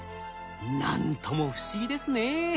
何とも不思議ですね。